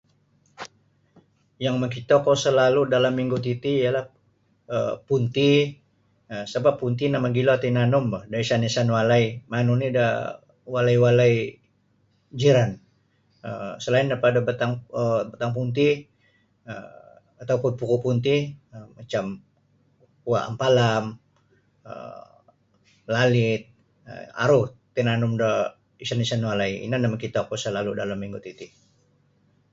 Yang makito ku salalu dalam minggu titi ialah um punti um sabab punti ri mogilo tinanum bo da isan-isan walai manu ni da walai-walai jiran um salain daripada batang um batang punti um ataupun pokok punti macam uwa ampalam um lalit aru tinanum da isan-isan walai ino nio makito ku salalu dalam minggi titi.